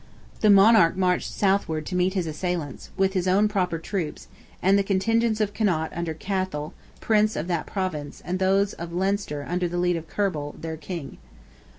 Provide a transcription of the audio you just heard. The monarch marched southward to meet his assailants, with his own proper troops, and the contingents of Connaught under Cathel, Prince of that Province, and those of Leinster under the lead of Kerball, their king.